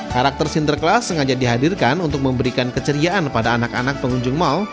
karakter sinterklas sengaja dihadirkan untuk memberikan keceriaan pada anak anak pengunjung mal